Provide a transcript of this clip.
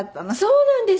そうなんですよ。